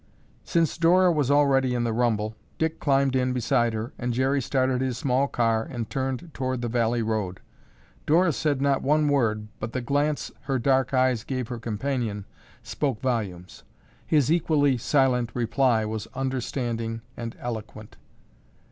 Since Dora was already in the rumble, Dick climbed in beside her and Jerry started his small car and turned toward the valley road. Dora said not one word but the glance her dark eyes gave her companion spoke volumes. His equally silent reply was understanding and eloquent.